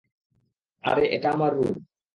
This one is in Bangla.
আরে, এটা আমার রুম।